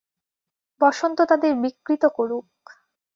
বসন্ত তাদের বিকৃত করুক!